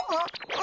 あ！